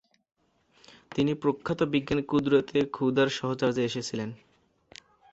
তিনি প্রখ্যাত বিজ্ঞানী কুদরাত-এ-খুদার সাহচর্যে এসেছিলেন।